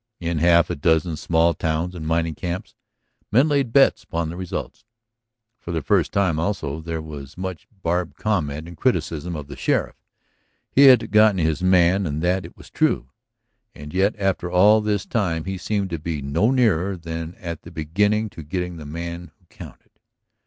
In half a dozen small towns and mining camps men laid bets upon the result. For the first time, also, there was much barbed comment and criticism of the sheriff. He had gotten this man and that, it was true. And yet, after all this time, he seemed to be no nearer than at the beginning to getting the man who counted.